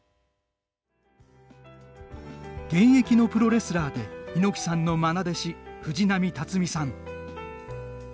現役のプロレスラーで猪木さんのまな弟子藤波辰爾さん。